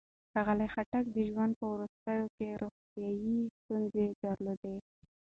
ښاغلي خټک د ژوند په وروستیو کې روغتيايي ستونزې درلودې.